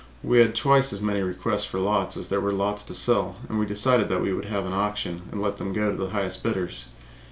We had twice as many requests for lots as there were lots to sell, and we decided we would have an auction and let them go to the highest bidders.